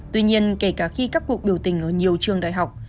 tuy nhiên kể cả khi các cuộc biểu tình ở nhiều trường đại học